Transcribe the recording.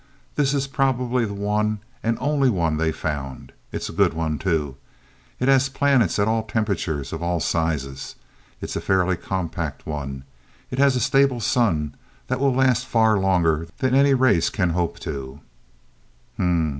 This is probably the one and only one they found. It's a good one too. It has planets at all temperatures, of all sizes. It is a fairly compact one, it has a stable sun that will last far longer than any race can hope to."